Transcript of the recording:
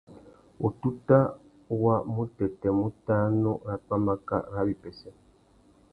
Wututa wa mutêtê mutānú râ pwámáká râ wipêssê.